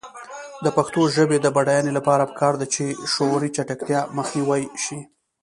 د پښتو ژبې د بډاینې لپاره پکار ده چې شعوري چټکتیا مخنیوی شي.